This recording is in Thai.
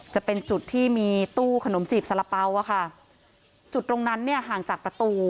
จะเป็นจุดที่มีตู้ขนมจีบสารเป๋าอะค่ะจุดตรงนั้นเนี่ยห่างจากประตู